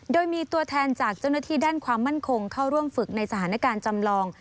โดยมีตัวแทนจากเจ้าหน้าที่ด้านความมั่นคงเข้าร่วมฝึกในสถานการณ์จำลอง